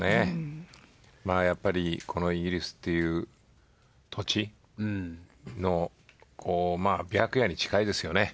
やっぱりこのイギリスという土地の白夜に近いですよね。